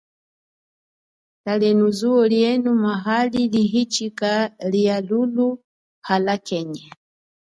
Talenu zuwo lienu maali hichika liahululu, alakenye.